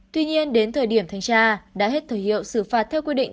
tuy nhiên đến thời điểm thanh tra đã hết thời hiệu xử phạt theo quy định